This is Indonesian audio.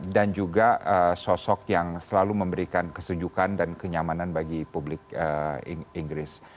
dan juga sosok yang selalu memberikan kesunyukan dan kenyamanan bagi publik inggris